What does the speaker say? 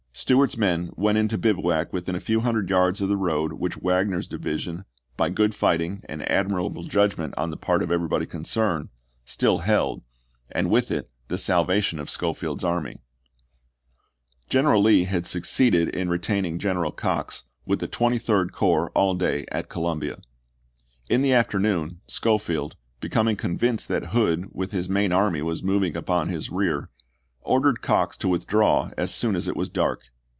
Stewart's men went into bivouac within a few hundred yards of the road which Wagner's divi sion, by good fighting and admirable judgment on the part of everybody concerned, still held, and with it the salvation of Schofield's army. FKANKLIN AND NASHVILLE 13 General Lee had succeeded in retaining General chap.i. Cox with the Twenty third Corps all day at Colum bia. In the afternoon, Schofield, becoming con vinced that Hood with his main army was moving upon his rear, ordered Cox to withdraw as soon as it was dark.